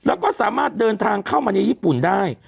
แล้วก็สามารถเดินทางเข้ามาในญี่ปุ่นได้